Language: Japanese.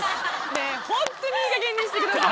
ねぇホントにいいかげんにしてください。